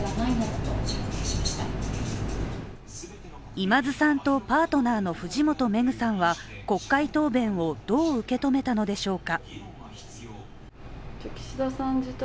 今津さんとパートナーの藤本めぐさんは、国会答弁をどう受け止めたのでしょうか。